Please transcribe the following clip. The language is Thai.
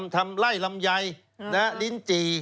ทำไล่ลำไยนะครับลิ้นจี